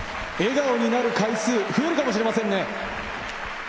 笑顔になる回数、増えるかもしれませんね。